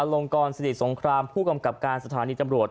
ลงกรสิริสงครามผู้กำกับการสถานีตำรวจ